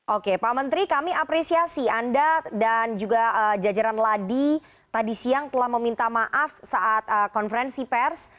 oke pak menteri kami apresiasi anda dan juga jajaran ladi tadi siang telah meminta maaf saat konferensi pers